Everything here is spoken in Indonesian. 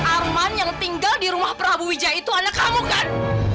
arman yang tinggal di rumah prabu wija itu anak kamu kan